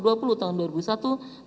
tentang pemberantasan tindak pidana korupsi